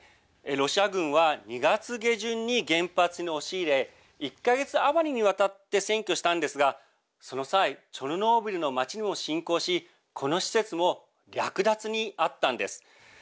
ロシア軍は２月下旬に原発に押し入れ１か月余りにわたって占拠したんですがその際、チョルノービリの町にも侵攻しこの施設も略奪にあったんです。